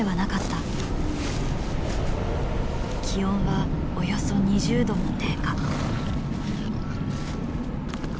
気温はおよそ２０度も低下。